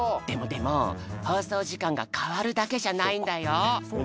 でもでもほうそうじかんがかわるだけじゃないんだよ！